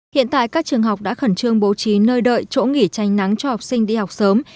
hiện tại các trường học đã khẩn trương bố trí nơi đợi chỗ nghỉ tranh nắng cho học sinh đi học sớm